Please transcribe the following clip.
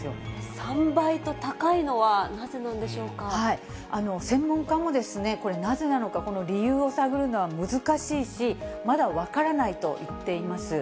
３倍と高いのは、なぜなんで専門家もこれ、なぜなのか、この理由を探るのは難しいし、まだ分からないといっています。